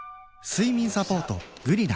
睡眠サポート「グリナ」